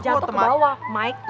jatuh ke bawah mike